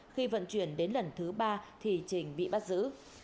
khi vận chuyển đến lần thứ ba thì trình bị bắt giữ